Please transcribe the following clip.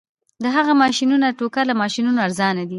د هغه ماشینونه د ټوکر له ماشینونو ارزانه دي